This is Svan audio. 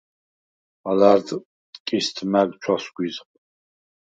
ალა̈რდ ტკისდ მა̈გ ჩვასგვიზხ.